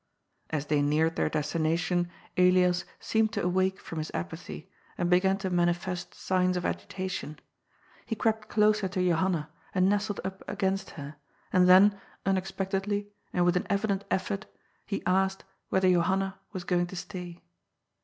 As they neared their destination Elias seemed to awake from his apathy, and began to manifest signs of agitation. He crept closer to Johanna, and nestled up against her, and then, unexpectedly, and with an evident effort, he asked whether Johanna was going to stay.